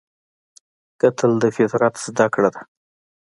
کتل د فطرت زده کړه ده